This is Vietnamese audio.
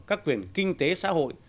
các quyền kinh tế xã hội